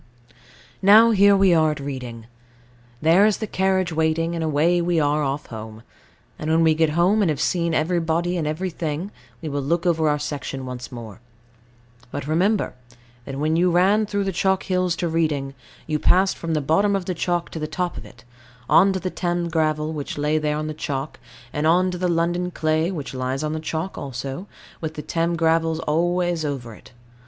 Now here we are at Reading. There is the carriage waiting, and away we are off home; and when we get home, and have seen everybody and everything, we will look over our section once more. But remember, that when you ran through the chalk hills to Reading, you passed from the bottom of the chalk to the top of it, on to the Thames gravels, which lie there on the chalk, and on to the London clay, which lies on the chalk also, with the Thames gravels always over it.